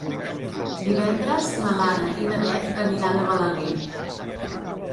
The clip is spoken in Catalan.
Divendres na Lara i na Beth aniran a Balaguer.